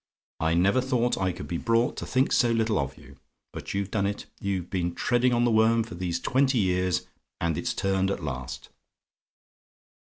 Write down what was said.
I never thought I could be brought to think so little of you; but you've done it: you've been treading on the worm for these twenty years, and it's turned at last.